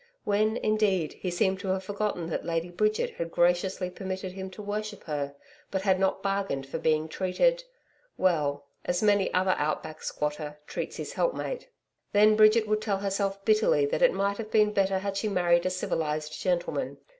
When, indeed, he seemed to have forgotten that Lady Bridget O'Hara had graciously permitted him to worship her, but had not bargained for being treated well, as many another out back squatter treats his help mate. Then Bridget would tell herself bitterly that it might have been better had she married a civilised gentleman.